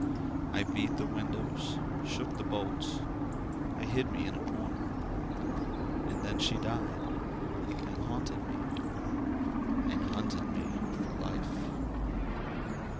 I beat the windows, shook the bolts. I hid me in a corner And then she died and haunted me, And hunted me for life.